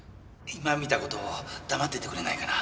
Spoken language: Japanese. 今見た事を黙っててくれないかな？